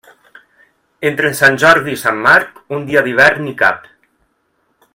Entre Sant Jordi i Sant Marc un dia d'hivern hi cap.